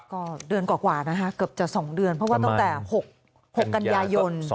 ก็เดือนกว่านะคะเกือบจะ๒เดือนเพราะว่าตั้งแต่๖กันยายน